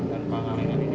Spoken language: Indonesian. dan pengalingan ini